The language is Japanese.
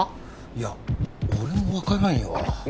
いや俺も分からんよ